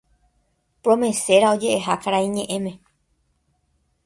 promesera oje'eha karai ñe'ẽme